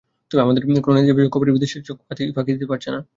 তবে আমাদের কোনো নেতিবাচক খবরই বিদেশিদের চোখ ফাঁকি দিতে পারছে না।